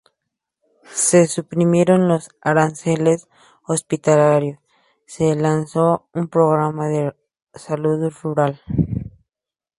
Se suprimieron los aranceles hospitalarios, se lanzó un programa de salud rural.